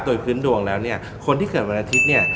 โดยพื้นดวงแล้วเนี่ยคนที่เกิดวันอาทิตย์เนี่ย